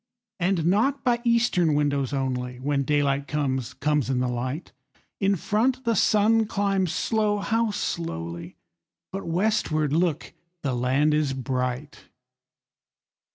And not by eastern windows only, When daylight comes, comes in the light; In front the sun climbs slow, how slowly! But westward, look, the land is bright!